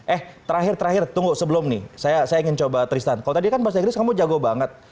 eh terakhir terakhir tunggu sebelum nih saya ingin coba tristan kalau tadi kan bahasa inggris kamu jago banget